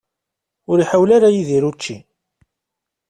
Ur iḥawel ara Yidir učči.